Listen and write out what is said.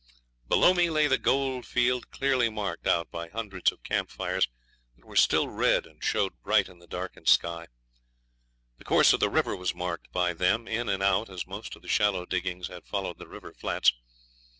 Below lay the goldfield clearly marked out by hundreds of camp fires that were still red and showed bright in the darkened sky. The course of the river was marked by them, in and out, as most of the shallow diggings had followed the river flats.